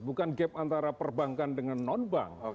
bukan gap antara perbankan dengan non bank